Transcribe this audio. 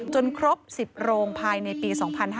ครบ๑๐โรงภายในปี๒๕๕๙